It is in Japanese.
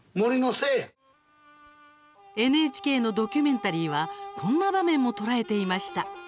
ＮＨＫのドキュメンタリーはこんな場面も捉えていました。